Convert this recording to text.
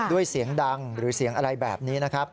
ด้วยเสียงดังหรือเสียงอะไรแบบนี้นะครับ